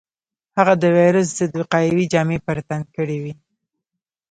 هغه د وېروس ضد وقايوي جامې پر تن کړې وې.